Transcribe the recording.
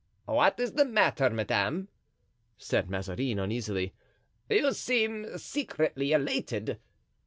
"What is the matter, madame?" said Mazarin, uneasily. "You seem secretly elated."